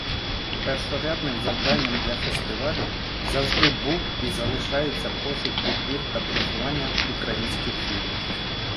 Першорядним завданням для фестивалю зажди був і залишається пошук, відбір та просування українських фільмів.